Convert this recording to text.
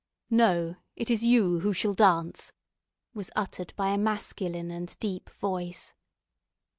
"No, it is you who shall dance!" was uttered by a masculine and deep voice.